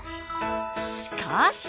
しかし！